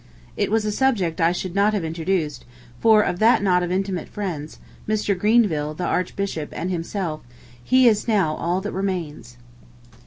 It was a subject I should not have introduced, for of that knot of intimate friends, Mr. Grenville, the Archbishop, and himself, he is now all that remains.